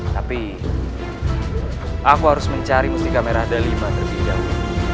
tapi aku harus mencari mustika merah deliba terlebih dahulu